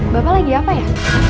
bapak lagi apa ya